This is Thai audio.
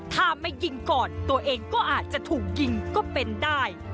ถ้าไม่ยิงก่อนตัวเองก็อาจจะถูกยิงก็เป็นได้